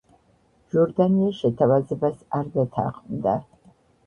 ჟორდანია შეთავაზებას არ დათანხმდა.